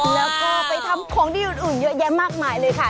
แล้วก็ไปทำของดีอื่นเยอะแยะมากมายเลยค่ะ